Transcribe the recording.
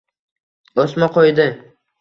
Oʼsma qoʼydi.